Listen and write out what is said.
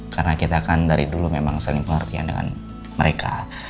karena kita kan dari dulu memang saling pengertian dengan mereka